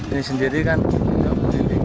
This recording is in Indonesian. ini sendiri kan tidak boleh dingin